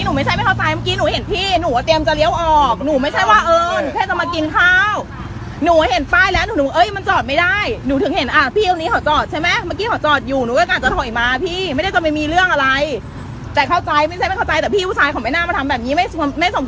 หนูอาจจะมากินข้าวหนูอาจจะมากินข้าวหนูอาจจะมากินข้าวหนูอาจจะมากินข้าวหนูอาจจะมากินข้าวหนูอาจจะมากินข้าวหนูอาจจะมากินข้าวหนูอาจจะมากินข้าวหนูอาจจะมากินข้าวหนูอาจจะมากินข้าวหนูอาจจะมากินข้าวหนูอาจจะมากินข้าวหนูอาจจะมากินข้าวหนูอาจจะมากินข้าวหนูอาจจะมากินข